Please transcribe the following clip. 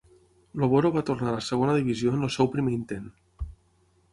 El Boro va tornar a la segona divisió en el seu primer intent.